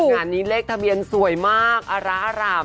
งานนี้เลขทะเบียนสวยมากอร้าอร่าม